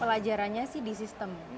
pelajarannya sih di sistem